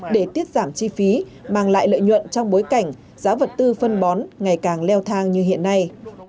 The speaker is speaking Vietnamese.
để tiết giảm chi phí mang lại lợi nhuận trong bối cảnh giá vật tư phân bón ngày càng leo thang như hiện nay